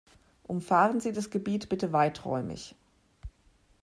Umfahren Sie das Gebiet bitte weiträumig.